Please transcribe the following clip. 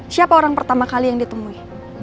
siapa orang pertama kali yang ditemui